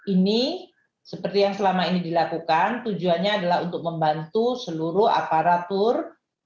ini seperti yang selama ini dilakukan tujuannya adalah untuk membantu seluruh aparatur